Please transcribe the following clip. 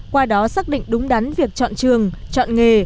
qua đó xác định đúng đắn việc chọn trường chọn nghề